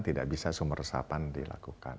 tidak bisa sumber resapan dilakukan